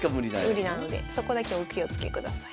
無理なのでそこだけお気をつけください。